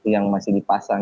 yang masih dipasang